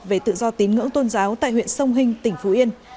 về tự do tín ngưỡng tôn giáo tại huyện sông hinh tỉnh phú yên